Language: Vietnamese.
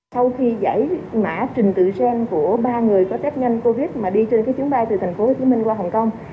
sau khi giải mã trình tự gen của ba người có test nhanh covid mà đi trên cái chuyến bay từ tp hcm qua hồng kông